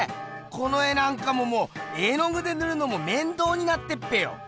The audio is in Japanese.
この絵なんかももう絵のぐでぬるのもめんどうになってっぺよ！